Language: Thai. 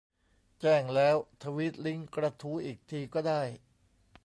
แจ้งแล้วทวีตลิงก์กระทู้อีกทีก็ได้